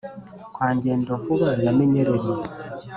kwa ngendo-vuba ya minyereri,